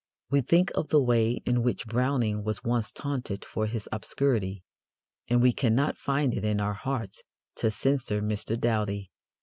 We think of the way in which Browning was once taunted for his obscurity, and we cannot find it in our hearts to censure Mr. Doughty.